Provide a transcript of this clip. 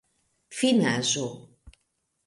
finaĵo